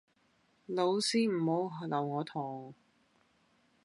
老師唔好留我堂